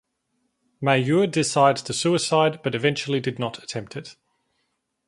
Mayur decides to suicide but eventually did not attempt it.